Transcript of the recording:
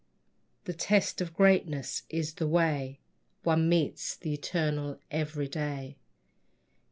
The test of greatness is the way One meets the eternal Everyday.